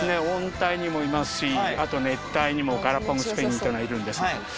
温帯にもいますしあと熱帯にもガラパゴスペンギンというのがいるんです。